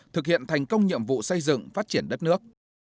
thực hiện thành công nhiệm vụ xây dựng phát triển đất nước